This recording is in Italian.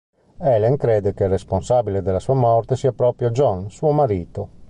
Helen crede che il responsabile della sua morte sia proprio John, suo marito.